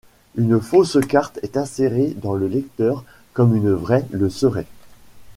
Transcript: Une fausse carte est insérée dans le lecteur comme une vraie le serait.